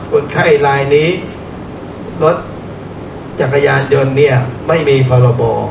คุณไข้รายนี้รถจักรยานยนต์ไม่มีผลบอก